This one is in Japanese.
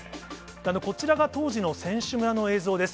こちらが当時の選手村の映像です。